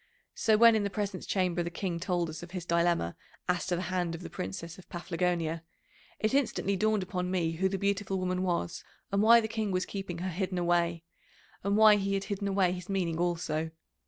So, when in the Presence Chamber the King told us of his dilemma as to the hand of the Princess of Paphlagonia, it instantly dawned upon me who the beautiful woman was, and why the King was keeping her hidden away, and why he had hidden away his meaning also.